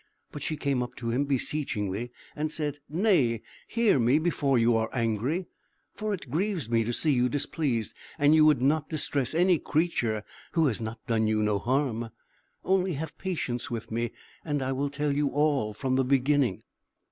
But she came up to him beseechingly, and said, "Nay, hear me before you are angry, for it grieves me to see you displeased, and you would not distress any creature who has done you no harm. Only have patience with me, and I will tell you all, from the beginning."